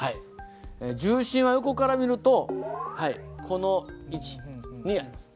重心は横から見るとこの位置にあります。